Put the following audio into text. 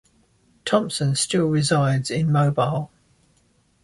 Thompson still resides in Mobile.